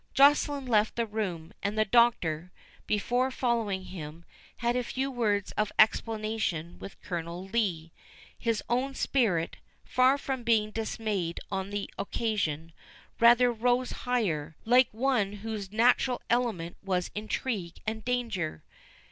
Joceline left the room; and the Doctor, before following him, had a few words of explanation with Colonel Lee. His own spirit, far from being dismayed on the occasion, rather rose higher, like one whose natural element was intrigue and danger.